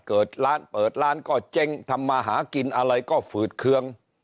เกิดร้านเปิดร้านก็เจ๊งทำมาหากินอะไรก็ฝืดเคือง